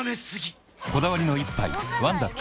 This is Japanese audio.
こだわりの一杯「ワンダ極」